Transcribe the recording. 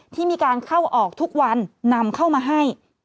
ที่มีการเข้าออกทุกวันนำเข้ามาให้